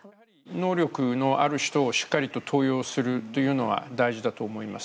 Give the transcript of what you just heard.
能力のある人をしっかりと登用するというのは大事だと思います。